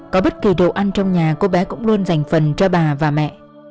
có bất kỳ đồ ăn trong nhà cô bé cũng luôn dành phần cho bà và mẹ